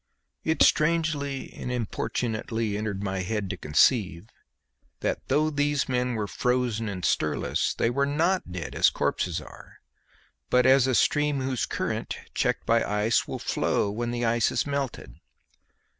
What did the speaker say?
It strangely and importunately entered my head to conceive, that though those men were frozen and stirless they were not dead as corpses are, but as a stream whose current, checked by ice, will flow when the ice is melted.